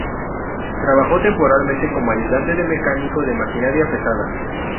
Trabajó temporalmente como ayudante de mecánico de maquinaria pesada.